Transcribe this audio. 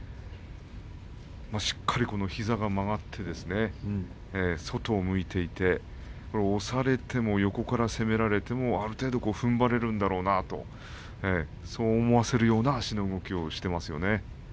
しっかり膝が曲がってですね外を向いていて押されても横から攻められてもある程度ふんばれるんだろうなとそう思わせるような足の動きをしていますよね。